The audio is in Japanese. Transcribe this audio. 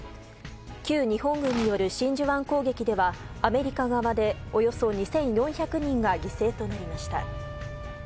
旧日本軍による真珠湾攻撃ではアメリカ側でおよそ２４００人が犠牲となりました。